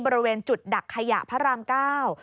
บริเวณจุดดักขยะพระรามเก้า